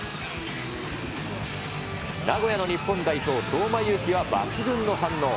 名古屋の日本代表、相馬勇紀は抜群の反応。